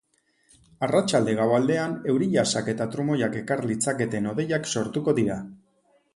Arratsalde-gau aldean euri-jasak eta trumoiak ekar litzaketen hodeiak sortuko dira.